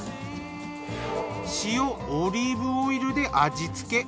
塩・オリーブオイルで味つけ。